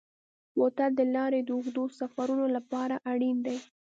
بوتل د لارې د اوږدو سفرونو لپاره اړین دی.